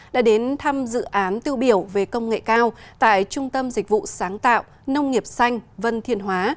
đã đến thăm dự án tiêu biểu về công nghệ cao tại trung tâm dịch vụ sáng tạo nông nghiệp xanh vân thiên hóa